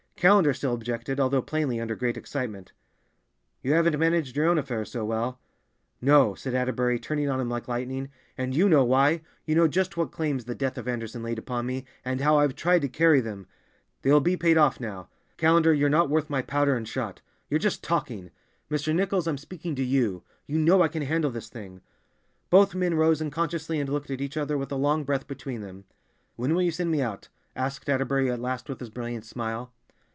Callender still objected, although plainly under great excitement. "You haven't managed your own affairs so well." "No," said Atterbury, turning on him like lightning, "and you know why. You know just what claims the death of Anderson laid upon me, and how I've tried to carry them. They will be paid off now. Callender, you're not worth my powder and shot; you're just talking. Mr. Nichols, I'm speaking to you. You know I can handle this thing!" Both men rose unconsciously and looked at each other, with a long breath between them. "When will you send me out?" asked Atterbury at last with his brilliant smile.